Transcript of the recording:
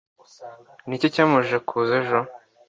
Ni iki cyamubujije kuza ejo?